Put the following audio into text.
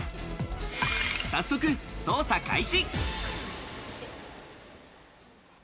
早速、捜査開始。